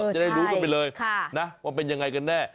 จะได้รู้กันไปเลยนะว่าเป็นยังไงกันแน่